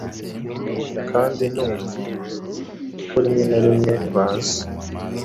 Nabonye kandi numvie, kuko rimwe na rimwe baza